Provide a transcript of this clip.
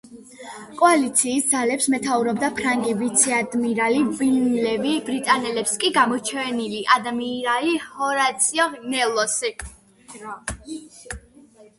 კოალიციის ძალებს მეთაურობდა ფრანგი ვიცე-ადმირალი ვილნევი, ბრიტანელებს კი გამოჩენილი ადმირალი ჰორაციო ნელსონი.